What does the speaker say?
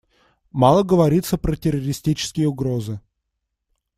Мало говорится про террористические угрозы.